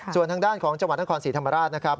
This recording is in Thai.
ส่วนทางด้านของจังหวัดนครศรีธรรมราชนะครับ